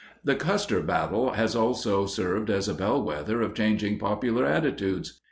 The Custer battle has also served as a bellwether of changing popular attitudes.